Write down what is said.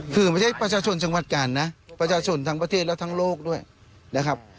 คือไม่ใช่ประชาชนจังหวัดกาลนะประชาชนทั้งประเทศและทั้งโลกด้วยนะครับ